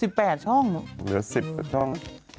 ๑๘ช่องเหลือ๑๐ช่อง